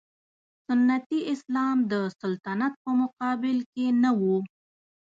سنتي اسلام د سلطنت په مقابل کې نه و.